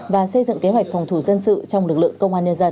và xây dựng kế hoạch phòng thủ dân sự trong lực lượng công an nhân dân